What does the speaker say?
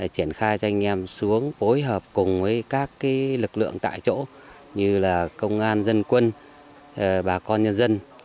triển khai cho anh em xuống phối hợp cùng với các lực lượng tại chỗ như công an dân quân bà con nhân dân